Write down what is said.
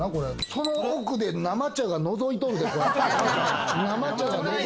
その奥で生茶が覗いとるで。